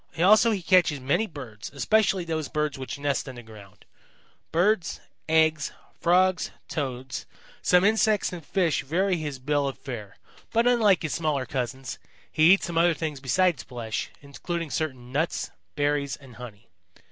Also he catches many birds, especially those birds which nest on the ground. Birds, eggs, Frogs, Toads, some insects and fish vary his bill of fare. But unlike his smaller cousins, he eats some other things besides flesh, including certain nuts, berries and honey.